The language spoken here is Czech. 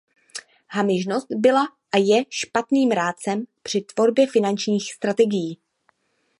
Hamižnost byla a je špatným rádcem při tvorbě finančních strategií.